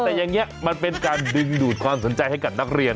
แต่อย่างนี้มันเป็นการดึงดูดความสนใจให้กับนักเรียน